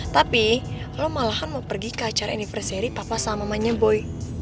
tapi lo malahan mau pergi ke acara anniversary papa sama mamanya boy